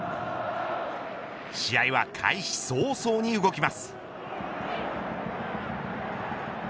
試合は開始早々に動きます。